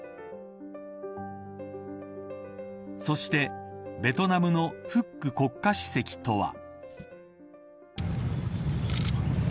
そしてベトナムのフック国家主席とは。